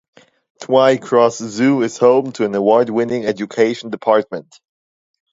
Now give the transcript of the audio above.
Twycross Zoo is home to an award-winning education department.